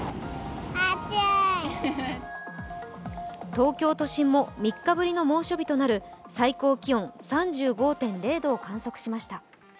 東京都心も３日ぶりの猛暑日となる最高気温３５．０度を観測しました。